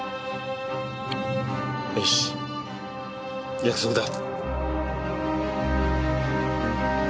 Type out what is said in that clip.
よし約束だ。